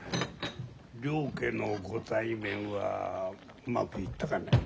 両家のご対面はうまくいったかな。